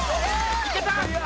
いけた！